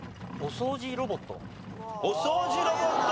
お掃除ロボット